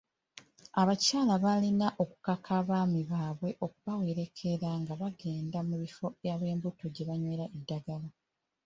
Abakyala balina okukaka abaami baabwe okubawerekera nga bagenda mu bifo ab'embuto gye banywera eddagala.